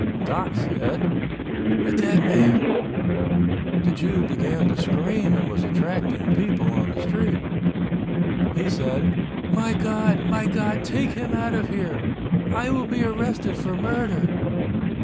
Doc said, "A dead man." The Jew began to scream and was attracting people on the street. He said, "My God, my God, take him out of here! I will be arrested for murder!"